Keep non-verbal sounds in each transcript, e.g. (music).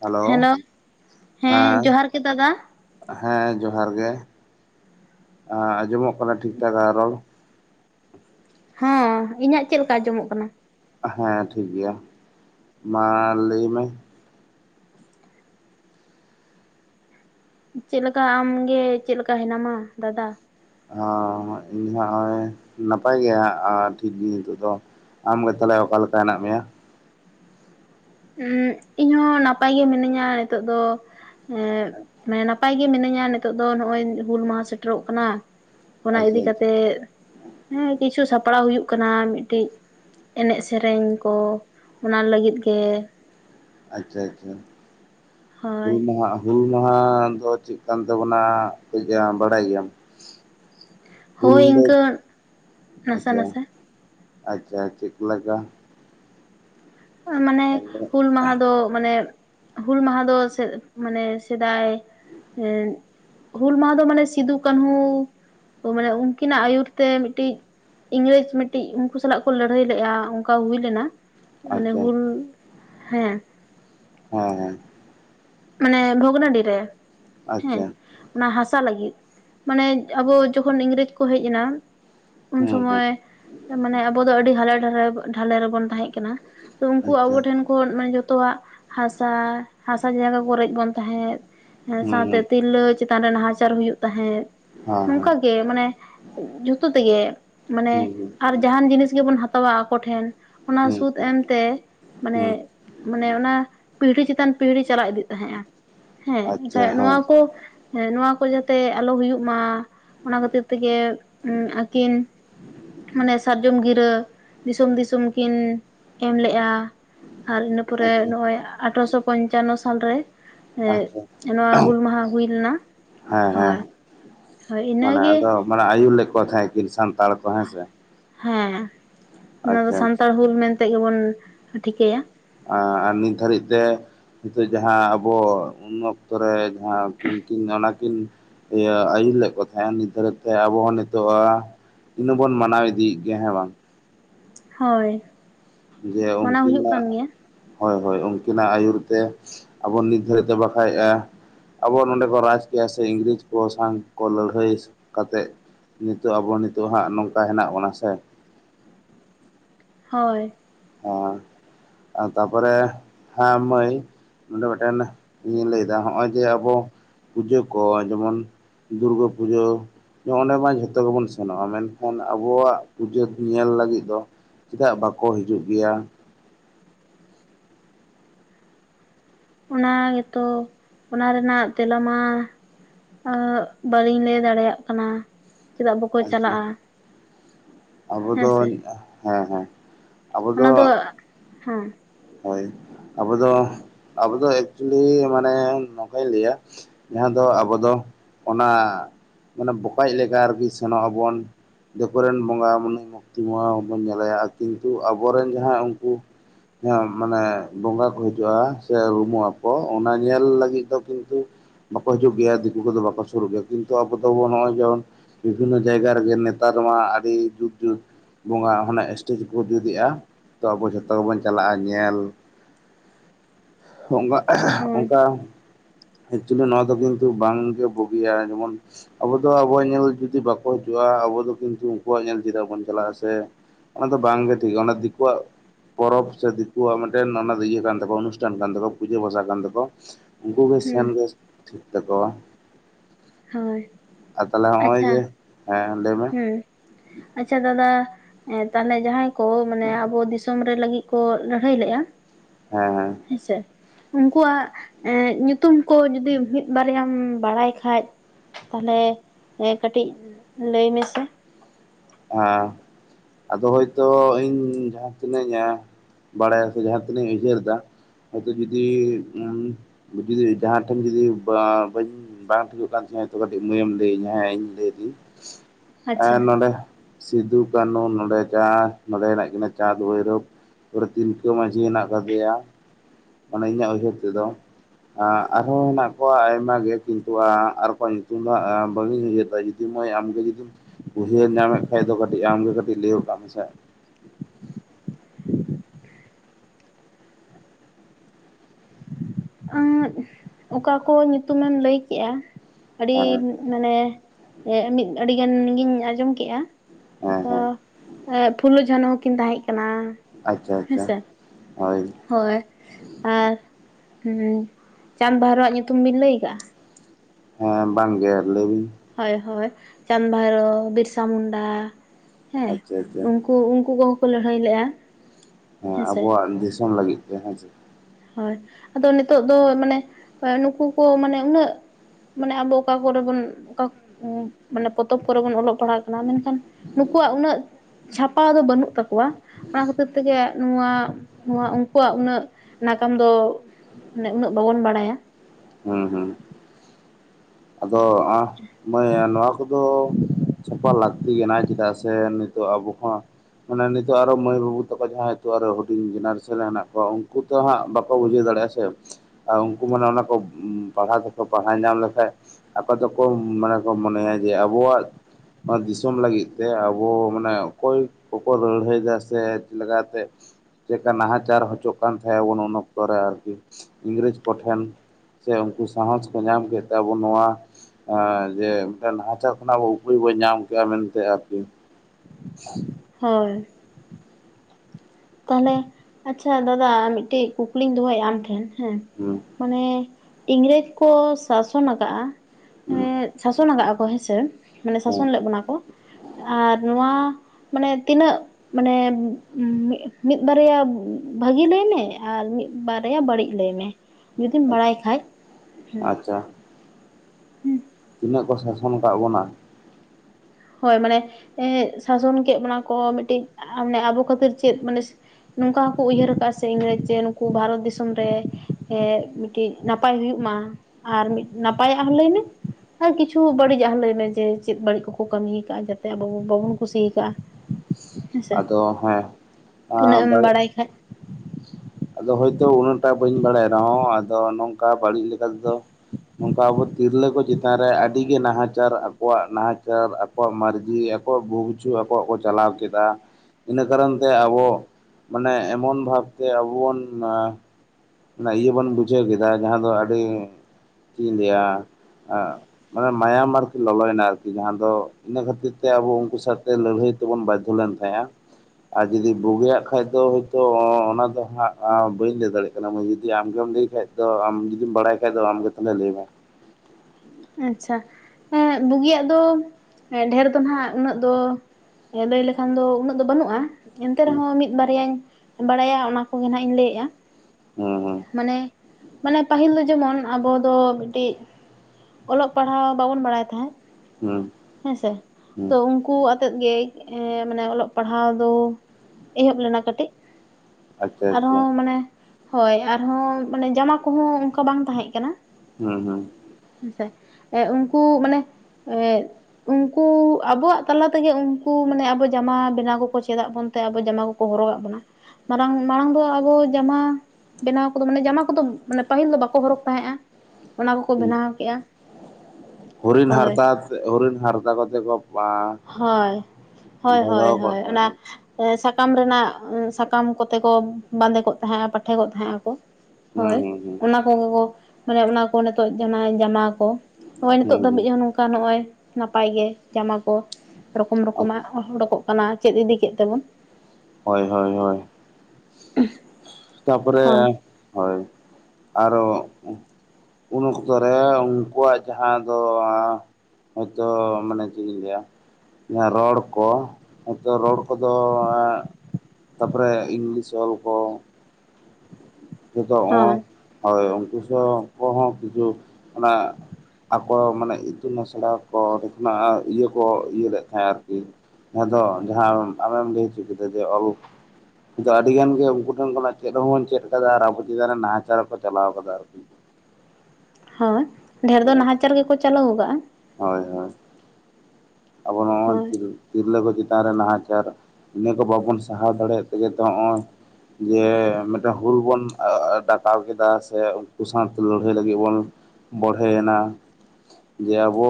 Hello, hello ᱦᱮᱸ᱾ ᱡᱚᱦᱟᱨ ᱜᱮ ᱫᱟᱫᱟ ᱦᱮᱸ ᱡᱚᱦᱟᱨ ᱜᱮ᱾ ᱮᱸ ᱟᱸᱡᱚᱢᱚᱜ ᱠᱟᱱᱟ ᱴᱷᱤᱠ ᱴᱷᱟᱠ ᱟ ᱨᱚᱲ? ᱦᱮᱸ᱾ ᱤᱧᱟᱹᱜ ᱪᱮᱫ ᱞᱮᱠᱟ ᱟᱸᱡᱚᱢᱚᱜ ᱠᱟᱱᱟ? ᱦᱮᱸ ᱴᱷᱤᱠ ᱜᱮᱭᱟ, ᱢᱟ ᱞᱟᱹᱭ ᱢᱮ᱾ ᱪᱮᱫ ᱞᱮᱠᱟ ᱟᱢᱜᱮ ᱪᱮᱫ ᱞᱮᱠᱟ ᱦᱮᱱᱟᱢᱟ ᱫᱟᱫᱟ? ᱟᱸᱻ ᱤᱧᱢᱟ ᱱᱚᱜᱼᱚᱭ ᱱᱟᱯᱟᱭ ᱜᱮ ᱦᱟᱸᱜ ᱟᱨ ᱴᱷᱤᱠ ᱜᱤᱭᱟᱹᱧ ᱱᱤᱛᱚᱜ ᱫᱚ᱾ ᱟᱢ ᱜᱮ ᱛᱟᱦᱚᱞᱮ ᱚᱠᱟ ᱞᱮᱠᱟ ᱦᱮᱱᱟᱜ ᱢᱮᱭᱟ? ᱦᱩᱸᱻ, ᱤᱧ ᱦᱚᱸ ᱱᱟᱯᱟᱭ ᱜᱮ ᱢᱤᱱᱟᱹᱧᱟ ᱱᱤᱛᱚᱜ ᱫᱚ, ᱮᱸᱜ ᱢᱟᱱᱮ ᱱᱟᱯᱟᱭ ᱜᱮ ᱢᱤᱱᱟᱹᱧᱟ ᱱᱤᱛᱚᱜ ᱫᱚ, ᱱᱚᱜᱼᱚᱭ ᱦᱩᱞ ᱢᱟᱦᱟ ᱥᱮᱴᱮᱨᱚᱜ ᱠᱟᱱᱟ, ᱚᱱᱟ ᱟᱪᱪᱷᱟ ᱤᱫᱤ ᱠᱟᱛᱮᱜ, ᱦᱮᱸ ᱠᱤᱪᱷᱩ ᱥᱟᱯᱲᱟᱣ ᱦᱩᱭᱩᱜ ᱠᱟᱱᱟ ᱢᱤᱫᱴᱤᱡ ᱮᱱᱮᱡ ᱥᱮᱨᱮᱧ ᱠᱚ, ᱚᱱᱟ ᱞᱟᱹᱜᱤᱫ ᱜᱮ᱾ ᱟᱪᱪᱷᱟ ᱟᱪᱪᱷᱟ ᱦᱳᱭ ᱾ᱦᱩᱞ ᱢᱟᱦᱟ ᱦᱩᱞ ᱢᱟᱦᱟ ᱫᱚ ᱪᱮᱫ ᱠᱟᱱ ᱛᱟᱵᱚᱱᱟ ᱠᱟᱹᱡ ᱵᱟᱲᱟᱭ ᱜᱮᱭᱟᱢ? ᱦᱩᱞ ᱦᱳᱭ ᱫᱚ, ᱤᱱᱠᱟᱹ ᱱᱟᱥᱮ ᱟᱪᱪᱷᱟ, ᱱᱟᱥᱮ ᱟᱪᱪᱷᱟ, ᱪᱮᱫ ᱞᱮᱠᱟ? ᱢᱟᱱᱮ, ᱦᱩᱞ ᱢᱟᱦᱟ ᱫᱚ ᱢᱟᱱᱮᱼᱼ ᱦᱩᱞ ᱢᱟᱦᱟ ᱫᱚ ᱥᱮ ᱢᱟᱱᱮ ᱥᱮᱫᱟᱭ ᱮᱸ ᱦᱩᱞ ᱢᱟᱦᱟ ᱫᱚ ᱢᱟᱱᱮ ᱥᱤᱫᱩ, ᱠᱟᱹᱱᱦᱩ ᱢᱟᱱᱮ ᱩᱱᱠᱤᱱᱟᱜ ᱟᱹᱭᱩᱨ ᱛᱮ ᱢᱤᱫᱴᱤᱡ ᱤᱝᱨᱮᱡᱽ ᱢᱤᱫᱴᱤᱡ ᱩᱱᱠᱩ ᱥᱟᱞᱟᱜ ᱠᱚ ᱞᱟᱹᱲᱦᱟᱹᱭ ᱞᱮᱜᱼᱟ, ᱚᱱᱠᱟ ᱦᱩᱭ ᱞᱮᱱᱟ᱾ ᱢᱟᱱᱮ ᱟᱪᱪᱷᱟ ᱦᱩᱞ, ᱦᱮᱸ᱾ ᱦᱮᱸ ᱦᱮᱸ᱾ ᱢᱟᱱᱮ ᱵᱷᱚᱜᱽᱱᱟᱰᱤ ᱨᱮ, ᱦᱮᱸ᱾ ᱟᱪᱪᱷᱟ ᱚᱱᱟ ᱦᱟᱥᱟ ᱞᱟᱹᱜᱤᱫ, ᱢᱟᱱᱮ ᱟᱵᱚ ᱡᱚᱠᱷᱚᱱ ᱤᱝᱨᱮᱡᱽ ᱠᱚ ᱦᱮᱡ ᱮᱱᱟ ᱩᱱ ᱦᱩᱸ ᱦᱩᱸ ᱥᱚᱢᱚᱭ, ᱢᱟᱱᱮ ᱟᱵᱚ ᱫᱚ ᱟᱹᱰᱤ ᱦᱟᱞᱮ ᱰᱷᱟᱞᱮ ᱨᱮᱵᱚᱱ, ᱪᱷᱟᱞᱟᱣ ᱨᱮᱵᱚᱱ ᱛᱟᱦᱮᱸᱜ ᱠᱟᱱᱟ᱾ ᱛᱚ ᱩᱱᱠᱩ ᱟᱪᱪᱷᱟ ᱟᱵᱚ ᱴᱷᱮᱱ ᱠᱷᱚᱱ ᱢᱟᱱᱮ ᱡᱚᱛᱚᱣᱟᱜ, ᱦᱟᱥᱟ ᱦᱟᱥᱟ ᱡᱟᱭᱜᱟ ᱠᱚ ᱨᱮᱡ ᱵᱚᱱ ᱛᱟᱦᱮᱸᱫ, ᱦᱩᱸ ᱥᱟᱶᱛᱮ ᱦᱩᱸ ᱛᱤᱨᱞᱟᱹ ᱪᱮᱛᱟᱱ ᱨᱮ ᱱᱟᱦᱟᱪᱟᱨ ᱦᱩᱭᱩᱜ ᱛᱟᱦᱮᱸᱫ, ᱦᱮᱸ ᱱᱚᱝᱠᱟ ᱦᱮᱸ ᱜᱮ ᱢᱟᱱᱮ, ᱡᱷᱚᱛᱚ ᱛᱮᱜᱮ ᱢᱟᱱᱮ ᱦᱩᱸ ᱦᱩᱸ ᱟᱨ ᱡᱟᱦᱟᱱ ᱡᱤᱱᱤᱥ ᱜᱮᱵᱚᱱ ᱦᱟᱛᱟᱣᱟ ᱟᱠᱚ ᱴᱷᱮᱱ ᱚᱱᱟ ᱦᱩᱸ ᱥᱩᱫ ᱮᱢᱛᱮ, ᱢᱟᱱᱮ ᱦᱩᱸ ᱢᱟᱱᱮ ᱚᱱᱟ ᱯᱤᱲᱦᱤ ᱪᱮᱛᱟᱱ ᱯᱤᱲᱦᱤ ᱪᱟᱞᱟᱜ ᱤᱫᱤᱜ ᱛᱟᱦᱮᱸᱜ-ᱟ᱾ ᱦᱮᱸ, ᱟᱪᱪᱷᱟ ᱮᱱᱠᱷᱟᱱ ᱦᱮᱸ ᱱᱚᱣᱟ ᱠᱚ, ᱦᱮᱸ ᱱᱚᱣᱟ ᱠᱚ ᱡᱟᱛᱮ ᱟᱞᱚ ᱦᱩᱭᱩᱜ ᱢᱟ ᱚᱱᱟ ᱠᱷᱟᱹᱛᱤᱨ ᱛᱮᱜᱮ ᱦᱩᱸ ᱟᱹᱠᱤᱱ ᱦᱟᱱᱮ ᱥᱟᱨᱡᱚᱢ ᱜᱤᱨᱟᱹ ᱫᱤᱥᱚᱢ ᱫᱤᱥᱚᱢ ᱠᱤᱱ ᱮᱢ ᱞᱮᱫᱼᱟ ᱟᱨ ᱤᱱᱟᱹ ᱯᱚᱨᱮ ᱟᱪᱪᱷᱟ ᱱᱚᱜᱼᱚᱭ ᱟᱴᱷᱨᱚᱥᱚ ᱯᱚᱧᱪᱟᱱᱱᱚ ᱥᱟᱞ ᱨᱮ ᱟᱪᱪᱷᱟ ᱦᱩᱭ ᱞᱮᱱᱟ ᱦᱮᱸ ᱦᱮᱸ ᱦᱳᱭ ᱦᱳᱭ ᱢᱟᱱᱮ ᱤᱱᱟᱹᱜᱮ ᱟᱫᱚ ᱢᱟᱱᱮ ᱟᱹᱭᱩᱨ ᱞᱮ ᱠᱚ ᱛᱟᱦᱮᱸᱠᱤᱱ ᱥᱟᱱᱛᱟᱲ ᱠᱚ ᱦᱮᱸ ᱥᱮ ᱾ ᱦᱮᱸ ᱱᱚᱣᱟ ᱫᱚ ᱟᱪᱪᱷᱟ ᱥᱟᱱᱛᱟᱲ ᱦᱩᱞ ᱢᱮᱱᱛᱮ ᱜᱮᱵᱚᱱ ᱴᱷᱤᱠᱟᱹᱭᱟ ᱾ ᱟᱨ ᱱᱤᱛ ᱫᱷᱟᱹᱨᱤᱡ ᱛᱮ ᱱᱤᱛᱚᱜ ᱡᱟᱦᱟᱸ ᱟᱵᱚ ᱩᱱ ᱚᱠᱛᱚᱮ ᱡᱟᱦᱟᱸ ᱠᱤᱱᱠᱤᱱ ᱚᱱᱟᱠᱤᱱ ᱤᱭᱟᱹ ᱟᱹᱭᱩᱨ ᱞᱮᱫ ᱠᱚ ᱛᱟᱦᱮᱸ ᱱᱤᱛ ᱫᱷᱟᱹᱨᱤᱡ ᱛᱮ ᱟᱵᱚ ᱦᱚᱸ ᱱᱤᱛᱚᱜᱼᱟ ᱤᱱᱟᱹᱜ ᱵᱚᱱ ᱢᱟᱱᱟᱣ ᱤᱫᱤᱭᱮᱫ ᱜᱮᱭᱟ ᱦᱮᱸ ᱵᱟᱝ? ᱦᱳᱭ ᱡᱮ ᱢᱟᱱᱟᱣ ᱦᱩᱭᱩᱜ ᱠᱟᱱ ᱩᱱᱠᱤᱱᱟᱜ ᱜᱮᱭᱟ ᱦᱳᱭ ᱦᱳᱭ ᱩᱱᱠᱤᱱᱟᱜ ᱟᱹᱭᱩᱨ ᱛᱮ ᱟᱵᱚ ᱱᱤᱛ ᱫᱷᱟᱹᱨᱤᱡ ᱫᱚ ᱵᱟᱠᱷᱟᱡ ᱮᱸ ᱟᱵᱚ ᱱᱚᱰᱮ ᱠᱚ ᱨᱟᱡᱽ ᱠᱮᱭᱟ ᱥᱮ ᱤᱝᱨᱮᱡᱽ ᱠᱚ ᱥᱟᱶ ᱠᱚ ᱞᱟᱹᱲᱦᱟᱹᱭ ᱠᱟᱛᱮᱫ ᱾ ᱱᱤᱛᱚᱜ ᱟᱵᱚ ᱱᱤᱛᱚᱜ ᱦᱟᱸᱜ ᱱᱚᱝᱠᱟ ᱦᱮᱱᱟᱜ ᱵᱚᱱᱟ ᱥᱮ ᱾ ᱦᱳᱭ ᱦᱮᱸ ᱛᱟᱯᱚᱨᱮ ᱦᱮᱸ ᱢᱟᱹᱭ ᱱᱚᱸᱰᱮ ᱢᱤᱫᱴᱮᱱ ᱤᱧᱤᱧ ᱞᱟᱹᱭᱫᱟ ᱱᱚᱜᱚᱭ ᱡᱮ ᱟᱵᱚ ᱯᱩᱡᱟᱹ ᱠᱚ ᱡᱮᱢᱚᱱᱼᱼ ᱫᱩᱨᱜᱟᱹ ᱯᱩᱡᱟᱹ ᱱᱚᱰᱮ ᱢᱟ ᱡᱷᱚᱛᱚ ᱜᱮᱵᱚᱱ ᱥᱮᱱᱚᱜᱼᱟ, ᱢᱮᱱᱠᱷᱟᱱ ᱟᱵᱚᱣᱟᱜ ᱯᱩᱡᱟᱹ ᱧᱮᱞ ᱞᱟᱹᱜᱤᱫ ᱫᱚ ᱪᱮᱫᱟᱜ ᱵᱟᱠᱚ ᱦᱤᱡᱩᱜ ᱜᱮᱭᱟ? ᱚᱱᱟ ᱜᱮᱛᱚ, ᱚᱱᱟ ᱨᱮᱱᱟᱜ ᱛᱮᱞᱟᱢᱟ ᱵᱟᱹᱞᱤᱧ ᱞᱟᱹᱭ ᱫᱟᱲᱮᱭᱟᱜ ᱠᱟᱱᱟ ᱪᱮᱫᱟᱜ ᱵᱟᱠᱚ ᱪᱟᱞᱟᱜᱼᱟ? ᱟᱵᱚ ᱫᱚ ᱦᱮᱸᱥᱮ ᱦᱮᱸ ᱦᱮᱸ ᱚᱱᱟ ᱫᱚ ᱦᱮᱸ ᱦᱳᱭ ᱟᱵᱚ ᱫᱚ ᱟᱵᱚ ᱫᱚ ᱮᱠᱪᱚᱞᱞᱤ ᱢᱟᱱᱮ ᱱᱚᱝᱠᱟ. ᱧ ᱞᱟᱹᱭᱟ ᱡᱟᱦᱟᱸ ᱫᱚ ᱟᱵᱚ ᱫᱚ ᱚᱱᱟ, ᱢᱟᱱᱮ ᱵᱚᱠᱟᱭᱤᱡ ᱞᱮᱠᱟ ᱟᱨᱠᱤ ᱥᱮᱱᱚᱜ ᱟᱵᱚᱱ ᱾ ᱫᱮᱠᱚᱨᱮᱱ ᱵᱚᱸᱜᱟ ᱢᱩᱱᱤ ᱢᱩᱠᱛᱤ ᱢᱟᱦᱟ ᱦᱚᱸᱵᱚᱱ ᱧᱮᱞᱮᱭᱟ ᱠᱤᱱᱛᱩ ᱟᱵᱚᱨᱮᱱ ᱡᱟᱦᱟᱸᱭ ᱩᱱᱠᱩ ᱦᱮᱸ ᱢᱟᱱᱮ ᱵᱚᱸᱜᱟ ᱠᱚ ᱦᱤᱡᱩᱜᱼᱟ ᱥᱮ ᱨᱩᱢᱩᱜ ᱟᱠᱚ, ᱚᱱᱟ ᱧᱮᱞ ᱞᱟᱹᱜᱤᱫ ᱫᱚ ᱠᱤᱱᱛᱩ ᱵᱟᱠᱚ ᱦᱤᱡᱩᱜ ᱜᱮᱭᱟ ᱫᱤᱠᱩ ᱠᱚᱫᱚ ᱵᱟᱠᱚ ᱥᱩᱨᱩᱜ ᱜᱮᱭᱟ ᱠᱤᱱᱛᱩ ᱟᱵᱚ ᱫᱚᱵᱚᱱ ᱱᱚᱜᱼᱚᱭ ᱡᱮᱢᱚᱱ ᱵᱤᱵᱷᱤᱱᱱᱚ ᱡᱟᱭᱜᱟ ᱨᱮᱜᱮ ᱱᱮᱛᱟᱨ ᱢᱟ ᱟᱹᱰᱤ ᱡᱩᱜᱽ ᱡᱩᱜᱽ ᱵᱚᱸᱜᱟ ᱦᱟᱱᱮ ᱥᱴᱮᱡ ᱠᱚ ᱡᱩᱛ ᱮᱸᱜᱼᱟ ᱛᱚ ᱟᱵᱳ ᱡᱚᱛᱚ ᱜᱮ ᱵᱚᱱ ᱪᱟᱞᱟᱜᱼᱟ ᱧᱮᱞ, ᱚᱝᱠᱟ ᱦᱳᱭ ᱚᱝᱠᱟ ᱮᱠᱪᱩᱞᱞᱤ ᱱᱚᱣᱟ ᱫᱚ ᱠᱤᱱᱛᱩ ᱵᱟᱝᱜᱮ ᱵᱩᱜᱤᱭᱟ ᱡᱮᱢᱚᱱ ᱟᱵᱚ ᱫᱚ ᱟᱵᱚᱣᱟᱜ ᱧᱮᱞ ᱡᱚᱫᱤ ᱵᱟᱠᱚ ᱦᱤᱡᱩᱜᱼᱟ ᱟᱵᱚ ᱫᱚ ᱠᱤᱱᱛᱩ ᱩᱱᱠᱩᱣᱟᱜ ᱧᱮᱞ ᱪᱮᱫᱟᱜ ᱵᱚᱱ ᱪᱟᱞᱟᱜ ᱥᱮ ᱚᱱᱟ ᱫᱚ ᱵᱟᱝ ᱜᱮ ᱴᱷᱤᱠ ᱚᱱᱟ ᱫᱤᱠᱩᱣᱟᱜ ᱯᱚᱨᱚᱵᱽ ᱥᱮ ᱫᱤᱠᱩᱣᱟᱜ ᱢᱤᱫᱴᱮᱱ ᱚᱱᱟ ᱫᱚ ᱤᱭᱟᱹ ᱠᱟᱱ ᱛᱟᱠᱚᱣᱟ ᱚᱱᱩᱥᱴᱷᱟᱱ ᱠᱟᱱ ᱛᱟᱠᱚᱣᱟ ᱯᱩᱡᱟᱹ ᱵᱷᱟᱥᱟ ᱠᱟᱱ ᱛᱟᱠᱚᱣᱟ ᱾ ᱩᱱᱠᱩ ᱜᱮ ᱦᱮᱸ ᱥᱮᱱ ᱫᱚ ᱴᱷᱤᱠ ᱛᱟᱠᱚᱣᱟ ᱦᱳᱭ ᱾ ᱟᱨ ᱛᱟᱦᱚᱞᱮ ᱦᱚᱸᱜᱼᱚᱭ ᱡᱮ᱾ ᱟᱪᱪᱷᱟ ᱦᱮᱸ ᱞᱟᱹᱭ ᱢᱮ ᱟᱪᱪᱷᱟ ᱫᱟᱫᱟ ᱮᱸ ᱛᱟᱦᱞᱮ ᱡᱟᱦᱟᱸᱭ ᱠᱚ ᱢᱟᱱᱮ ᱟᱵᱚ ᱫᱤᱥᱚᱢ ᱨᱮ ᱞᱟᱹᱜᱤᱫ ᱠᱚ ᱞᱟᱹᱲᱦᱟᱹᱭ ᱞᱮᱜᱼᱟ ᱾ ᱦᱮᱸᱮᱸ ᱦᱮᱸᱥᱮ ᱩᱱᱠᱩᱣᱟᱜ ᱮᱸ ᱧᱩᱛᱩᱢ ᱠᱚ ᱡᱩᱫᱤ ᱢᱤᱫ ᱵᱟᱨᱭᱟᱢ ᱵᱟᱲᱟᱭ ᱠᱷᱟᱡᱽ? ᱛᱟᱦᱚᱞᱮ ᱠᱟᱹᱴᱤᱡ ᱞᱟᱹᱭ ᱢᱮᱥᱮ ᱾ ᱦᱮᱸ ᱟᱫᱚ ᱦᱚᱳᱭᱛᱳ ᱤᱧ ᱡᱟᱦᱟᱸ ᱛᱤᱱᱟᱹᱧᱟ ᱵᱟᱲᱟᱭᱟ ᱥᱮ ᱡᱟᱦᱟᱸ ᱛᱤᱱᱟᱹᱜᱧ ᱩᱭᱦᱟᱹᱨ ᱫᱟ ᱾ ᱦᱚᱭᱛᱚ ᱡᱩᱫᱤ ᱡᱩᱫᱤ ᱡᱟᱦᱟᱸ ᱴᱷᱮᱱ ᱡᱩᱫᱤ ᱵᱟ ᱵᱟᱹᱧ ᱵᱟᱝ ᱴᱷᱤᱠᱚᱜ ᱠᱟᱱ ᱛᱤᱧᱟᱹ ᱦᱚᱭᱛᱚ ᱠᱟᱹᱴᱤᱡ ᱢᱟᱹᱭᱮᱢ ᱞᱟᱹᱭᱟᱹᱧᱟ ᱦᱮᱸ ᱤᱧ ᱞᱟᱹᱭ ᱟᱹᱫᱤᱧ, ᱟᱨ ᱟᱪᱪᱷᱟ ᱱᱚᱸᱰᱮ ᱥᱤᱫᱩ ᱠᱟᱹᱱᱩ ᱱᱚᱰᱮ ᱡᱟ ᱱᱚᱰᱮ ᱦᱮᱸᱱᱟᱜ ᱠᱤᱱᱟ ᱪᱟᱸᱫᱽ ᱵᱷᱳᱭᱨᱚᱵᱽ ᱛᱟᱯᱚᱨᱮ ᱛᱤᱞᱠᱟᱹ ᱢᱟᱹᱡᱷᱤ ᱦᱮᱱᱟᱜ ᱠᱟᱫᱮᱭᱟ ᱢᱟᱱᱮ ᱤᱧᱟᱹᱜ ᱩᱭᱦᱟᱹᱨ ᱛᱮᱫᱚ ᱟᱨᱦᱚᱸ ᱦᱮᱱᱟᱜ ᱠᱚᱣᱟ ᱟᱭᱢᱟ ᱜᱮ ᱠᱤᱱᱛᱩ ᱟᱨᱚᱣᱟᱜ ᱧᱩᱛᱩᱢ ᱫᱚ ᱦᱟᱸᱜ ᱵᱟᱝᱤᱧ ᱩᱭᱦᱟ. ᱨᱫᱟ ᱡᱩᱫᱤ ᱢᱟ. ᱭ ᱟᱢᱜᱮ ᱡᱩᱫᱤᱢ ᱩᱭᱦᱟᱹᱨ ᱧᱟᱢᱮᱫ ᱠᱷᱟᱱ ᱫᱚ ᱠᱟᱹᱴᱤᱡ ᱟᱢᱜᱮ ᱠᱟᱹᱴᱤᱡ ᱞᱟᱹᱭ ᱚᱜᱠᱟᱜ ᱢᱮᱥᱮ ᱚᱠᱟᱠᱚ ᱧᱩᱛᱩᱢᱮᱢ ᱞᱟᱹᱭᱠᱮᱜᱼᱟ ᱟᱹᱰᱤ ᱦᱮᱸ ᱢᱟᱱᱮ ᱢᱤᱫ ᱟᱹᱰᱤᱜᱟᱜᱤᱧ ᱟᱸᱡᱚᱢ ᱠᱮᱜᱼᱟ ᱦᱮᱸ ᱛᱚ ᱦᱮᱸ ᱮᱸᱜ ᱯᱷᱩᱞᱚ ᱡᱷᱟᱱᱚ ᱦᱚᱸᱠᱤᱱ ᱛᱟᱸᱦᱮᱜ ᱠᱟᱱᱟ ᱟᱪᱪᱷᱟ ᱟᱪᱪᱷᱟ ᱦᱮᱸᱥᱮ ᱦᱳᱭ ᱦᱳᱭ ᱟᱨ ᱦᱩᱸ ᱪᱟᱸᱫᱽ ᱵᱷᱟᱭᱨᱚ ᱟᱜ ᱧᱩᱛᱩᱢ ᱵᱤᱱ ᱞᱟᱹᱭ ᱠᱟᱜ-ᱟ? ᱚᱸᱭᱮ ᱵᱟᱝ ᱜᱮ ᱞᱮᱭᱵᱤᱱ ᱦᱳᱭ ᱦᱳᱭ ᱪᱟᱸᱫᱽ, ᱵᱷᱟᱭᱨᱳᱵᱽ, ᱵᱤᱨᱥᱟ ᱢᱩᱱᱰᱟ ᱦᱮᱸ ᱟᱪᱪᱷᱟ ᱟᱪᱪᱷᱟ ᱩᱱᱠᱩᱩ ᱩ ᱩᱝᱠᱩ ᱠᱚᱦᱚᱸ ᱠᱚ ᱞᱟᱹᱲᱦᱟᱹᱭ ᱞᱮᱜᱼᱟ ᱦᱮᱸ ᱦᱮᱸᱥᱮ ᱟᱵᱚᱣᱟᱜ ᱫᱤᱥᱚᱢ ᱞᱟᱹᱜᱤᱫ ᱛᱮ ᱦᱮᱸ ᱥᱮ? ᱦᱳᱭ ᱟᱫᱚ ᱱᱤᱛᱚᱜ ᱫᱚ ᱢᱟᱱᱮ ᱱᱩᱠᱩ ᱠᱚ ᱢᱟᱱᱮ ᱩᱱᱟᱹᱜ ᱢᱟᱱᱮ ᱟᱵᱚ ᱚᱠᱟ ᱠᱚᱨᱮ ᱵᱚᱱ, ᱚᱠᱟ ᱢᱟᱱᱮ ᱯᱚᱛᱚᱵ ᱠᱚᱨᱮ ᱵᱚᱱ ᱚᱞᱚᱜ ᱯᱟᱲᱦᱟ ᱠᱟᱱᱟ ᱢᱮᱱᱠᱷᱟᱱ ᱱᱩᱠᱩᱣᱟᱜ ᱩᱱᱟᱹᱜ ᱪᱷᱟᱯᱟᱣ ᱫᱚ ᱵᱟᱹᱱᱩᱜ ᱛᱟᱠᱚᱣᱟ ᱾ᱚᱱᱟ ᱠᱷᱟᱹᱛᱤᱨ ᱛᱮᱜᱮ ᱱᱚᱣᱟ ᱱᱚᱣᱟ ᱩᱱᱠᱩᱣᱟᱜ ᱩᱱᱟᱹᱜ ᱱᱟᱜᱟᱢ ᱫᱚ ᱢᱟᱱᱮ ᱩᱱᱟᱹᱜ ᱵᱟᱵᱚᱱ ᱵᱟᱲᱟᱭᱟ᱾ ᱦᱩᱸ ᱦᱩᱸ ᱟᱫᱚ ᱢᱟ. ᱭ ᱱᱚᱣᱟ ᱠᱚᱫᱚ ᱪᱷᱟᱯᱟ ᱞᱟᱜ ᱛᱤ ᱠᱟᱱᱟᱭ ᱪᱮᱫᱟᱜ ᱥᱮ ᱱᱤᱛᱚᱜ ᱟᱵᱚ ᱠᱚ ᱦᱚᱸ ᱢᱟᱱᱮ ᱱᱤᱛᱚᱜ ᱟᱨᱚ ᱢᱟᱹᱭ ᱵᱟᱹᱵᱩ ᱛᱟᱠᱚ ᱡᱟᱦᱟᱸᱭ ᱠᱚ ᱟᱨᱚ ᱦᱩᱰᱤᱧ ᱡᱮᱱᱟᱨᱮᱥᱮᱱ ᱦᱮᱱᱟᱜ ᱠᱚᱣᱟ ᱩᱱᱠᱩ ᱛᱚ ᱦᱟᱸᱜ ᱵᱟᱠᱚ ᱵᱩᱡᱷᱟᱹᱣ ᱫᱟᱲᱮᱭᱟᱜᱼᱟ ᱥᱮ ᱩᱱᱠᱩ ᱢᱟᱱᱮ ᱚᱱᱟ ᱠᱚ ᱯᱟᱲᱦᱟᱣ ᱛᱮᱠᱚ ᱯᱟᱲᱦᱟᱣ ᱧᱟᱢ ᱞᱮᱠᱷᱟᱡ ᱟᱠᱚ ᱫᱚᱠᱚ ᱢᱟᱱᱮ ᱠᱚ ᱢᱚᱱᱮᱭᱟ ᱡᱮ ᱟᱵᱚᱣᱟᱜ ᱱᱚᱣᱟ ᱫᱤᱥᱚᱢ ᱞᱟᱹᱜᱤᱫ ᱛᱮ ᱟᱵᱚ ᱢᱟᱱᱮ ᱚᱠᱚᱭ ᱠᱚᱠᱚ ᱞᱟᱹᱲᱦᱟᱹᱭᱟ ᱫᱟ ᱥᱮ ᱪᱮᱫ ᱞᱮᱠᱟᱛᱮ ᱪᱮᱜᱠᱟ ᱱᱟᱦᱟᱪᱟᱨ ᱦᱚᱪᱚᱜ ᱠᱟᱱ ᱛᱟᱦᱮᱸᱟᱵᱚᱱ ᱩᱱ ᱚᱠᱛᱚ ᱨᱮ ᱟᱨᱠᱤ ᱤᱝᱨᱮᱡᱽ ᱠᱚᱴᱷᱮᱱ ᱥᱮ ᱩᱱᱠᱩ ᱥᱟᱦᱚᱥ ᱠᱚ ᱧᱟᱢ ᱠᱮᱜ ᱛᱮ ᱟᱵᱚ ᱱᱚᱣᱟ ᱟᱹ ᱡᱮ ᱢᱮᱴᱟᱝ ᱱᱟᱦᱟᱪᱟᱨ ᱠᱷᱚᱱᱟᱜ ᱩᱯᱟᱹᱭ ᱵᱚᱱ ᱧᱟᱢ ᱠᱮᱜᱟ ᱢᱮᱱᱛᱮ ᱟᱨᱠᱤ (unintelligible) ᱦᱳᱭ ᱛᱟᱦᱚᱞᱮ ᱟᱪᱪᱷᱟ ᱫᱟᱫᱟ ᱢᱤᱜᱴᱤᱜ ᱠᱩᱠᱞᱤᱧ ᱫᱚᱦᱚᱭᱟ ᱟᱢ ᱴᱷᱮᱱ ᱦᱮᱸ ᱦᱩᱸ ᱢᱟᱱᱮ ᱤᱝᱨᱮᱡᱽ ᱠᱚ ᱥᱟᱥᱚᱱ ᱟᱠᱟᱜᱼᱟ ᱦᱩᱸ ᱥᱟᱥᱚᱱ ᱟᱠᱟᱜᱼᱟ ᱠᱚ ᱦᱮᱸᱥᱮ ᱢᱟᱱᱮ ᱦᱮᱸ ᱥᱟᱥᱚᱱ ᱞᱮᱜ ᱵᱚᱱᱟ ᱠᱚ ᱟᱨ ᱱᱚᱣᱟ ᱢᱟᱱᱮ ᱛᱤᱱᱟᱹᱜ ᱢᱟᱱᱮ ᱢᱤᱫ ᱵᱟᱨᱭᱟ ᱵᱷᱟᱹᱜᱤ ᱞᱟᱹᱭ ᱢᱮ ᱟᱨ ᱢᱤᱫ ᱵᱟᱨᱭᱟ ᱵᱟᱹᱲᱤᱡ ᱞᱟᱹᱭ ᱢᱮ ᱡᱩᱫᱤᱢ ᱟᱪᱪᱷᱟ ᱵᱟᱲᱟᱭ ᱠᱷᱟᱡ ᱦᱮᱸ ᱟᱪᱪᱷᱟ ᱦᱩᱸ ᱛᱤᱱᱟᱹᱜ ᱠᱚ ᱥᱟᱥᱚᱱ ᱠᱟᱜ ᱵᱚᱱᱟ ᱦᱳᱭ ᱢᱟᱱᱮ ᱮᱸᱜ ᱥᱟᱥᱚᱱ ᱠᱮᱜ ᱵᱚᱱᱟ ᱠᱚ ᱢᱤᱫᱴᱤᱡ ᱢᱟᱱᱮ ᱟᱵᱚ ᱠᱷᱟᱹᱛᱤᱨ ᱪᱮᱫ ᱢᱟᱱᱮ ᱱᱚᱝᱠᱟ ᱦᱚᱸᱠᱚ ᱩᱭᱦᱟᱹᱨ ᱠᱟᱜᱼᱟ ᱥᱮ ᱤᱝᱨᱮᱡᱽ ᱡᱮ ᱱᱩᱠᱩ ᱵᱷᱟᱨᱚᱛ ᱫᱤᱥᱚᱢ ᱨᱮ ᱮᱜ ᱴᱤᱡ ᱱᱟᱯᱟᱭ ᱦᱩᱭᱩᱜ ᱢᱟ ᱟᱨ ᱢᱤᱫ ᱱᱟᱯᱟᱭᱟᱜ ᱦᱚᱸ ᱞᱟᱹᱭᱢᱮ ᱟᱨ ᱠᱤᱪᱷᱩ ᱵᱟᱹᱲᱤᱡᱟᱜ ᱦᱚᱸ ᱞᱟᱹᱭᱢᱮ ᱡᱮ ᱪᱮᱫ ᱵᱟᱹᱲᱤᱡ ᱠᱚ ᱠᱚ ᱠᱟᱹᱢᱤᱭ ᱠᱟᱜᱼᱟ ᱡᱟᱛᱮ ᱟᱵᱚ ᱵᱟᱵᱚᱱ ᱠᱩᱥᱤ ᱠᱟᱜᱼᱟ ᱟᱫᱚ ᱦᱮᱸ ᱛᱤᱱᱟᱹᱜ ᱮᱢ ᱵᱟᱹᱲᱤᱡ ᱵᱟᱲᱟᱭ ᱠᱷᱟᱡ ᱟᱫᱚ ᱦᱚᱳᱭᱛᱳ ᱩᱱᱟᱹᱜᱴᱟ ᱵᱟᱹᱧ ᱵᱟᱲᱟᱭ ᱨᱮᱦᱚᱸ ᱟᱫᱚ ᱱᱚᱝᱠᱟ ᱵᱟᱹᱲᱤᱡ ᱞᱮᱠᱟ ᱛᱮᱫᱚ ᱱᱚᱝᱠᱟ ᱟᱵᱚ ᱛᱤᱨᱞᱟᱹ ᱠᱚ ᱪᱮᱛᱟᱱ ᱨᱮ ᱟᱹᱰᱤᱜᱮ ᱱᱟᱦᱟᱪᱟᱨ ᱟᱠᱚᱣᱟᱜ ᱱᱟᱦᱟᱪᱟᱨ ᱟᱠᱚᱣᱟᱜ ᱢᱟᱨᱡᱤ ᱟᱠᱚᱣᱟᱜ ᱵᱩᱪᱩ ᱟᱠᱚᱣᱟᱜ ᱠᱚ ᱪᱟᱞᱟᱣ ᱠᱮᱫᱟ ᱤᱱᱟᱹ ᱠᱟᱨᱚᱱᱛᱮ ᱟᱵᱚ ᱢᱟᱱᱮ ᱮᱢᱚᱱ ᱵᱷᱟᱵᱛᱮ ᱟᱵᱚ ᱵᱚᱱᱼᱼ ᱚᱱᱟ ᱤᱭᱟᱹ ᱵᱚᱱ ᱵᱩᱡᱷᱟᱹᱣ ᱠᱮᱫᱟ ᱡᱟᱦᱟᱸ ᱫᱚ ᱟᱹᱰᱤ ᱪᱮᱫ ᱤᱧ ᱞᱟᱹᱭᱟ ᱢᱟᱱᱮ ᱢᱟᱭᱟᱢ ᱟᱨᱠᱤ ᱞᱚᱞᱚᱭᱮᱱᱟ ᱟᱨᱠᱤ ᱡᱟᱦᱟᱸ ᱫᱚ ᱤᱱᱟᱹ ᱠᱷᱟᱹᱛᱤᱨ ᱛᱮ ᱟᱵᱚ ᱩᱱᱠᱩ ᱥᱟᱶᱛᱮ ᱞᱟᱹᱲᱦᱟᱹᱭᱼᱼ ᱛᱮᱵᱚᱱ ᱵᱟᱫᱽᱫᱷᱚ ᱞᱮᱱ ᱛᱟᱦᱮᱸᱜᱼᱟ᱾ ᱟᱨ ᱡᱩᱫᱤ ᱵᱩᱜᱤᱭᱟᱜ ᱠᱷᱟᱡ ᱫᱚ ᱦᱭᱛᱚᱻ ᱚᱱᱟ ᱫᱚ ᱦᱟᱸᱜ ᱵᱟᱹᱧ ᱞᱟᱹᱭ ᱫᱟᱲᱮᱭᱟᱜᱼᱟ, ᱠᱟᱱᱟ ᱡᱩᱫᱤ ᱟᱢ ᱜᱮᱢ ᱞᱟᱹᱭ ᱠᱷᱟᱡ ᱫᱚ ᱟᱢ ᱡᱩᱫᱤᱢ ᱵᱟᱲᱟᱭ ᱠᱷᱟᱡ ᱫᱚ ᱟᱢ ᱜᱮ ᱛᱟᱦᱚᱞᱮ ᱞᱟᱹᱭ ᱢᱮ? ᱟᱪᱪᱷᱟ ᱦᱮᱸ ᱵᱩᱜᱤᱭᱟᱜ ᱫᱚ ᱰᱷᱮᱨ ᱫᱚ ᱦᱟᱸᱜ ᱩᱱᱟᱹᱜ ᱫᱚ᱾ ᱮ ᱞᱟᱹᱭ ᱞᱮᱠᱷᱟᱱ ᱫᱚ ᱩᱱᱟᱹᱜ ᱫᱚ ᱵᱟᱹᱱᱩᱜᱼᱟ᱾ ᱮᱱᱛᱮ ᱦᱩᱸ ᱨᱮᱦᱚᱸ ᱢᱤᱫ ᱵᱟᱨᱭᱟᱧ ᱵᱟᱲᱟᱭᱟ ᱚᱱᱟ ᱠᱚᱜᱮ ᱱᱟᱸᱜ ᱤᱧ ᱞᱟᱹᱭᱮᱫᱼᱟ, ᱦᱩᱸ ᱢᱟᱱᱮ ᱢᱟᱱᱮ ᱯᱟᱹᱦᱤᱞ ᱫᱚ ᱡᱮᱢᱚᱱ ᱟᱵᱚ ᱫᱚ ᱢᱤᱫᱴᱤᱡᱼᱼ ᱚᱞᱚᱜ ᱯᱟᱲᱦᱟᱣ ᱵᱟᱵᱚᱱ ᱵᱟᱲᱟᱭ ᱛᱟᱦᱮᱸᱜ ᱦᱩᱸ ᱦᱮᱸᱥᱮ ᱦᱩᱸ ᱛᱚ ᱩ. ᱱᱠᱩ ᱟᱛᱮᱫ ᱜᱮ ᱢᱟᱱᱮ ᱚᱞᱚᱜ ᱯᱟᱲᱦᱟᱣ ᱫᱚ ᱮᱦᱚᱵ ᱞᱮᱱᱟ ᱠᱟᱹᱴᱤᱡ᱾ ᱟᱪᱪᱷᱟ ᱟᱪᱪᱷᱟ ᱟᱨᱦᱚᱸ ᱢᱟᱱᱮ ᱦᱳᱭ ᱟᱨᱦᱚᱸ ᱢᱟᱱᱮ ᱡᱟᱢᱟ ᱠᱚᱦᱚᱸ ᱚᱱᱠᱟ ᱵᱟᱝ ᱛᱟᱦᱮᱸᱜ ᱠᱟᱱᱟ᱾ ᱦᱩᱸ ᱦᱩᱸ᱾ ᱦᱮᱸᱥᱮ ᱩᱱᱠᱩ ᱢᱟᱱᱮ ᱮᱼᱼ ᱩᱱᱠᱩ ᱟᱵᱚᱣᱟᱜ ᱛᱟᱞᱟ ᱛᱮᱜᱮ ᱩᱱᱠᱩ ᱢᱟᱱᱮ ᱟᱵᱚ ᱡᱟᱢᱟ ᱵᱮᱱᱟᱣ ᱠᱚᱠᱚ ᱪᱮᱫᱟᱜ ᱵᱚᱱᱛᱮ ᱟᱵᱚ ᱡᱟᱢᱟᱼᱼ ᱠᱚ ᱦᱚᱨᱚᱜᱫ ᱵᱚᱱᱟ, ᱵᱟᱝ ᱢᱟᱲᱟᱝ ᱫᱚ ᱟᱵᱚ ᱡᱟᱢᱟᱼᱼ ᱵᱮᱱᱟᱣ ᱠᱚᱫᱚ ᱢᱟᱱᱮ ᱡᱟᱢᱟ ᱠᱚᱫᱚ ᱢᱟᱱᱮ ᱯᱟᱹᱦᱤᱞ ᱫᱚ ᱵᱟᱠᱚ ᱦᱚᱨᱚᱜ ᱛᱟᱦᱮᱸᱫᱼᱟ ᱚᱱᱟ ᱠᱚᱠᱚ ᱦᱩᱸ ᱵᱮᱱᱟᱣ ᱠᱮᱜᱼᱟ ᱦᱚᱨᱤᱱ ᱦᱳᱭ ᱦᱟᱨᱛᱟ ᱦᱚᱨᱤᱱ ᱦᱟᱨᱛᱟ ᱠᱚᱛᱮ ᱠᱚ ᱵᱟ‌ᱼᱼ ᱦᱳᱭ ᱦᱳᱭ ᱦᱳᱭ ᱦᱳᱭ ᱚᱱᱟᱼᱼ ᱛᱟᱦᱮᱸᱱᱟ ᱮ ᱥᱟᱠᱟᱢ ᱨᱮᱱᱟᱜ ᱥᱟᱠᱟᱢ ᱠᱚᱛᱮ ᱠᱚ ᱵᱟᱸᱫᱮ ᱠᱚᱜ ᱛᱟᱦᱮᱸᱜᱼᱟ ᱯᱟᱴᱷᱮᱠᱜ ᱛᱟᱦᱮᱸᱜᱼᱟ ᱠᱚ᱾ ᱦᱩᱸ ᱦᱳᱭ ᱦᱩᱸ ᱦᱩᱸ ᱚᱱᱟ ᱠᱚᱜᱮ ᱠᱚ ᱢᱟᱱᱮ ᱚᱱᱟ ᱠᱚ ᱱᱤᱛᱚᱜ ᱡᱟᱦᱟᱸ ᱡᱟᱢᱟ ᱠᱚ ᱱᱚᱜᱼᱚᱭ ᱱᱤᱛᱚᱜ ᱦᱩᱸ ᱫᱷᱟᱹᱵᱤᱡ ᱦᱚᱸ ᱱᱚᱝᱠᱟ ᱱᱚᱜᱼᱚᱭ ᱱᱟᱯᱟᱭ ᱜᱮ ᱡᱟᱢᱟ ᱠᱚ ᱨᱚᱠᱚᱢ ᱦᱩᱸ ᱨᱚᱠᱚᱢᱟᱜ ᱩᱰᱩᱠᱚᱜ ᱠᱟᱱᱟ ᱪᱮᱫ ᱤᱫᱤ ᱠᱮᱫ ᱛᱮᱵᱚᱱ ᱦᱳᱭ ᱦᱳᱭ ᱦᱳᱭ (unintelligible) ᱛᱟᱯᱚᱨᱮ ᱦᱳᱭ ᱦᱳᱭ ᱟᱨᱚᱼᱼ ᱩᱱ ᱚᱠᱛᱚ ᱨᱮ ᱩᱱᱠᱩᱣᱟᱜ ᱡᱟᱦᱟᱸ ᱫᱚ ᱮᱼᱼ ᱦᱳᱭᱛᱚ ᱢᱟᱱᱮ ᱪᱮᱫ ᱞᱤᱧ ᱞᱟᱹᱭᱼᱟ, ᱡᱟᱦᱟᱸ ᱨᱚᱲ ᱠᱚ ᱦᱭᱛᱳ ᱨᱚᱲ ᱠᱚᱫᱚ ᱚᱼᱼ ᱛᱟᱯᱚᱨᱮ ᱤᱝᱞᱤᱥ ᱚᱞ ᱠᱚᱼᱼ ᱱᱤᱛᱚᱜ ᱦᱸ ᱦᱳᱭ ᱦᱭ ᱩᱱᱠᱩ ᱠᱚ ᱠᱚᱦᱚᱸ ᱠᱤᱪᱷᱩ ᱚᱱᱟ ᱟᱠᱚ ᱢᱟᱱᱮ ᱤᱛᱩᱱ ᱟᱥᱲᱟ ᱠᱚ ᱚᱸᱰᱮ ᱠᱷᱚᱱᱟᱜ ᱤᱭᱟᱹ ᱠᱚ ᱤᱭᱟᱹ ᱞᱮᱫ ᱛᱟᱦᱮᱸᱜ-ᱟ ᱟᱨᱠᱤ ᱡᱟᱦᱟᱸ ᱫᱚ ᱡᱟᱦᱟᱸ ᱟᱢᱮᱢ ᱞᱟᱹᱭ ᱦᱚᱪᱚ ᱠᱮᱫᱟ ᱡᱮ ᱚᱞ ᱟᱹᱰᱤ ᱜᱟᱱᱜᱮ ᱩᱱᱠᱩ ᱴᱷᱮᱱ ᱠᱷᱚᱱᱟᱜᱼᱼ ᱪᱮᱫ ᱦᱚᱸᱵᱚᱱ ᱪᱮᱫ ᱠᱟᱫᱟ ᱟᱨ ᱟᱵᱚ ᱪᱮᱛᱟᱱ ᱨᱮ ᱱᱟᱦᱟᱪᱟᱨ ᱠᱚ ᱪᱟᱞᱟᱣ ᱠᱟᱫᱟ ᱟᱨᱠᱤ᱾ ᱦᱳᱭ ᱰᱷᱮᱨ ᱫᱚ ᱱᱟᱦᱟᱪᱟᱨ ᱜᱮᱠᱚ ᱪᱟᱹᱞᱟᱩ ᱟᱠᱟᱜᱼᱟ ᱦᱳᱭ ᱦᱳᱭ᱾ ᱟᱵᱚ ᱱᱚᱣᱟ ᱦᱳᱭ ᱡᱤᱞ ᱛᱤᱨᱞᱟᱹ ᱠᱚ ᱪᱮᱛᱟᱱ ᱨᱮ ᱱᱟᱦᱟᱪᱟᱨ ᱤᱱᱟᱹ ᱠᱚ ᱵᱟᱵᱚᱱ ᱥᱟᱦᱟᱣ ᱫᱟᱲᱮᱭᱟᱜ ᱛᱮᱜᱮ ᱛᱚ ᱱᱚᱜᱼᱚᱭ, ᱡᱮ ᱢᱤᱫᱴᱮᱱ ᱦᱩᱞ ᱵᱚᱱ ᱰᱟᱠᱟᱣ ᱠᱮᱫᱟ ᱥᱮ ᱩᱱᱠᱩ ᱥᱟᱶᱛᱮ ᱞᱟᱹᱲᱦᱟᱹᱭ ᱞᱟᱹᱜᱤᱫ ᱵᱚᱱᱼᱼ ᱵᱚᱲᱦᱮᱭᱮᱱᱟ ᱡᱮ ᱟᱵᱚ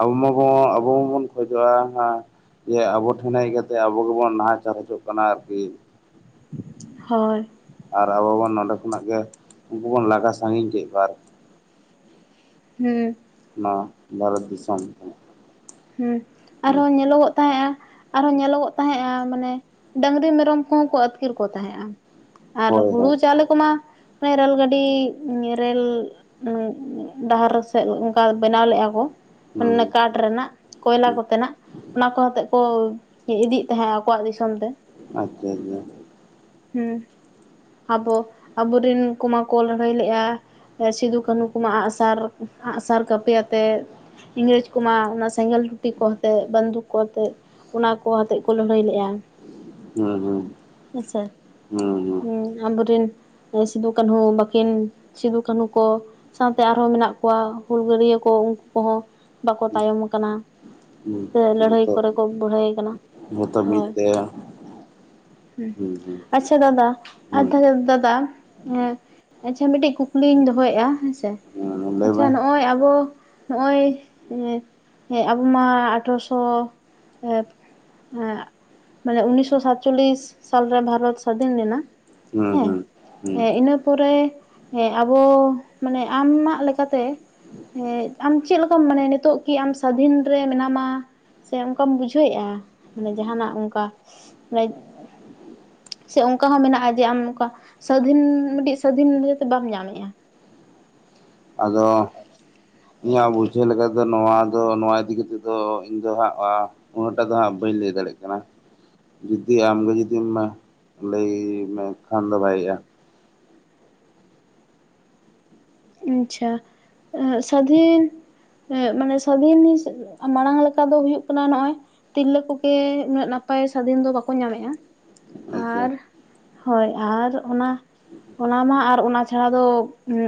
ᱟᱵᱚ ᱢᱟᱼᱼ ᱦᱚᱸ ᱟᱵᱚ ᱦᱚᱸᱵᱚᱱ ᱠᱷᱚᱡᱚᱜᱼᱟ ᱦᱚᱸ ᱡᱮ ᱟᱵᱚ ᱴᱷᱮᱱ ᱦᱮᱡ ᱠᱟᱛᱮ ᱟᱵᱚ ᱜᱮᱵᱚᱱ ᱱᱟᱦᱟᱪᱟᱨ ᱦᱚᱪᱚᱜ ᱠᱟᱱᱟ ᱟᱨᱠᱤᱼᱼ ᱦᱳᱭ ᱟᱨ ᱟᱵᱚ ᱵᱚᱱ ᱱᱚᱸᱰᱮ ᱠᱷᱚᱱᱟᱜ ᱜᱮ ᱩᱱᱠᱩ ᱵᱚᱱ ᱞᱟᱜᱟ ᱥᱟᱺᱜᱤᱧ ᱠᱮᱫ ᱠᱚᱣᱟ ᱟᱨ ᱦᱩᱸ ᱱᱚᱣᱟ ᱵᱷᱟᱨᱚᱛ ᱫᱤᱥᱚᱢ ᱨᱮ ᱦᱮᱸ ᱟᱨᱦᱚᱸ ᱧᱮᱞᱚᱜᱚᱜ ᱛᱟᱦᱮᱸᱫᱼᱟ ᱟᱨᱦᱚᱸ ᱧᱮᱞᱚᱜᱚᱜ ᱛᱟᱦᱮᱸᱫᱼᱟ ᱢᱟᱱᱮ ᱰᱟᱹᱟᱝᱨᱤ ᱢᱮᱨᱚᱢ ᱠᱚᱦᱚᱸ ᱠᱚ ᱟᱹᱛᱠᱤᱨ ᱠᱚ ᱛᱟᱦᱮᱸᱫᱼᱟ ᱟᱨ ᱦᱳᱭ ᱦᱩᱲᱩ ᱦᱳᱭ ᱪᱟᱣᱞᱮ ᱠᱚᱢᱟᱼᱼ (unintelligible) ᱨᱮᱹᱞ ᱜᱟᱹᱰᱤ ᱨᱮᱹᱞ ᱰᱟᱦᱟᱨ ᱥᱮᱫ ᱚᱱᱠᱟ ᱵᱮᱱᱟᱣ ᱞᱮᱜ-ᱟ ᱠᱚ᱾ ᱚᱱᱮ ᱦᱩᱸ ᱠᱟᱴᱷ ᱨᱮᱱᱟᱜ ᱠᱚᱭᱞᱟ ᱠᱚᱛᱮᱱᱟᱜ ᱚᱱᱟ ᱠᱚ ᱟᱛᱮᱫ ᱠᱚ ᱤᱫᱤᱭᱮᱜ ᱛᱟᱦᱮᱸᱜ-ᱟ ᱟᱠᱚᱣᱟᱜ ᱫᱤᱥᱚᱢ ᱛᱮ᱾ ᱟᱪᱪᱷᱟ (unintelligible) ᱦᱩᱸ, ᱟᱵᱚ ᱟᱵᱚᱨᱮᱱ ᱠᱚᱢᱟ ᱠᱚ ᱞᱟᱹᱲᱦᱟᱹᱭ ᱞᱮᱜ-ᱟ ᱥᱤᱫᱩ ᱠᱟᱹᱱᱩ ᱠᱚᱢᱟ ᱟᱸᱜ ᱥᱟᱨ, ᱟᱸᱜ ᱥᱟᱨ ᱠᱟᱹᱯᱤ ᱟᱛᱮᱫ᱾ ᱤᱝᱨᱮᱹᱡᱽ ᱠᱚᱢᱟ ᱚᱱᱟ ᱥᱮᱸᱜᱮᱞ ᱴᱩᱴᱤ ᱠᱚ ᱟᱛᱮᱫ ᱵᱚᱱᱫᱩᱠ ᱠᱚ ᱟᱛᱮᱫ᱾ ᱚᱱᱟ ᱠᱚ ᱟᱛᱮᱫ ᱠᱚ ᱞᱟᱹᱲᱦᱟᱹᱭ ᱞᱮᱜ-ᱟ ᱦᱮᱸ ᱦᱩᱸ ᱦᱩᱸ ᱥᱮ᱾ ᱦᱩᱸ ᱟᱵᱚ ᱨᱮᱱ ᱥᱤᱫᱩ ᱠᱟᱹᱱᱦᱩ ᱵᱟᱠᱤᱱ ᱥᱤᱫᱩ ᱠᱟᱹᱱᱦᱩ ᱠᱚ ᱥᱟᱶᱛᱮ ᱟᱨᱦᱚᱸ ᱢᱮᱱᱟᱜ ᱠᱚᱣᱟ ᱦᱩᱞᱜᱟᱹᱨᱭᱟᱹ ᱠᱚ ᱩᱝᱠᱩ ᱠᱚᱦᱚᱸ ᱵᱟᱠᱚ ᱛᱟᱭᱚᱢ ᱟᱠᱟᱱᱟ ᱦᱩᱸ ᱥᱮ ᱞᱟᱹᱲᱦᱟᱹᱭ ᱡᱚᱛᱚ ᱠᱚᱨᱮ ᱠᱚ ᱵᱩᱲᱦᱟᱹᱭ ᱠᱟᱱᱟ ᱡᱚᱛᱚ ᱢᱤᱫ ᱦᱳᱭ᱾ ᱛᱮ ᱦᱩᱸ, ᱟᱪᱪᱷᱟ ᱫᱟᱫᱟ ᱦᱩᱸ ᱟᱫᱚ ᱫᱟᱫᱟ ᱮᱸ, ᱢᱤᱫᱴᱤᱡ ᱠᱩᱠᱞᱤᱧ ᱫᱚᱦᱚᱭᱮᱜ-ᱟ ᱦᱮᱸ ᱥᱮ᱾ ᱦᱩᱸ ᱞᱟᱹᱭ ᱟᱪᱪᱷᱟ ᱢᱮ ᱱᱚᱜ-ᱚᱭ ᱟᱵᱚ ᱱᱚᱜ-ᱚᱭ, ᱮ ᱦᱮᱸ ᱟᱵᱚ ᱢᱟ ᱟᱴᱷᱨᱚᱥᱚ ᱮᱸᱜ ᱢᱟᱱᱮ ᱩᱱᱤᱥᱥᱚ ᱥᱟᱛᱪᱚᱞᱞᱤᱥ ᱥᱟᱞᱨᱮ ᱵᱷᱟᱨᱚᱛ ᱥᱟᱫᱷᱤᱱ ᱞᱮᱱᱟ᱾ ᱦᱩᱸ ᱦᱮᱸ ᱦᱩᱸ ᱦᱩᱸ ᱮᱸ ᱤᱱᱟᱹ ᱯᱚᱨᱮ ᱟᱵᱚ ᱢᱟᱱᱮ ᱟᱢᱢᱟᱜ ᱞᱮᱠᱟᱛᱮ ᱦᱮᱸ ᱟᱢ ᱪᱮᱫ ᱞᱮᱠᱟᱢ ᱢᱟᱱᱮᱭᱟ ᱱᱤᱛᱳᱜ ᱠᱤ ᱟᱢ ᱥᱟᱫᱷᱤᱱ ᱨᱮ ᱢᱮᱱᱟᱢᱟ ᱥᱮ ᱚᱝᱠᱟᱢ ᱵᱩᱡᱷᱟᱹᱣᱮᱜ-ᱟ ᱢᱟᱱᱮ ᱡᱟᱸᱦᱟᱱᱟᱜ ᱚᱝᱠᱟ? (unintelligible) ᱥᱮ ᱚᱝᱠᱟ ᱦᱚᱸ ᱢᱮᱱᱟᱜ-ᱟ ᱡᱮ ᱟᱢ ᱱᱚᱝᱠᱟ ᱥᱟᱹᱫᱷᱤᱱ ᱢᱤᱫᱴᱤᱡ ᱥᱟᱹᱫᱷᱤᱱ ᱤᱛᱟᱹ ᱠᱤ ᱵᱟᱢ ᱧᱟᱢᱮᱜ-ᱟ? ᱟᱫᱚ ᱤᱧᱟᱹᱜ ᱵᱩᱡᱷᱟᱹᱣ ᱞᱮᱠᱟ ᱛᱮ ᱱᱚᱣᱟ ᱫᱚ ᱱᱚᱣᱟ ᱤᱫᱤ ᱠᱟᱛᱮᱫ ᱫᱚ ᱤᱧ ᱫᱚ ᱦᱟᱸᱜ ᱟᱸᱻ ᱩᱱᱟᱹᱜ ᱴᱟ ᱫᱚ ᱦᱟᱸᱜ ᱵᱟᱹᱧ ᱞᱟᱹᱭ ᱫᱟᱲᱮᱭᱟᱜ ᱠᱟᱱᱟ᱾ ᱡᱩᱫᱤ ᱟᱢᱜᱮ ᱡᱩᱫᱤᱢ ᱞᱟᱹᱭ ᱞᱮᱠᱷᱟᱱ ᱫᱚ ᱵᱷᱟᱜᱮᱜ-ᱟ᱾ ᱟᱪᱪᱷᱟ᱾ ᱮᱸ ᱥᱟᱫᱷᱤᱱ ᱢᱟᱱᱮ ᱥᱟᱹᱫᱷᱤᱱ ᱢᱟᱲᱟᱝ ᱞᱮᱠᱟ ᱫᱚ ᱦᱩᱭᱩᱜ ᱠᱟᱱᱟ ᱱᱚᱜ-ᱚᱭ ᱛᱤᱨᱞᱟᱹ ᱠᱚᱜᱮ ᱩᱱᱟᱹᱜ ᱱᱟᱯᱟᱭ ᱥᱟᱹᱫᱷᱤᱱ ᱫᱚ ᱵᱟᱠᱚ ᱧᱟᱢᱮᱜ-ᱟ ᱟᱪᱪᱷᱟ ᱟᱨ ᱦᱳᱭ, ᱟᱨ ᱚᱱᱟ ᱚᱱᱟ ᱢᱟ ᱟᱨ ᱚᱱᱟ ᱪᱷᱟᱲᱟ ᱫᱚ ᱩᱸ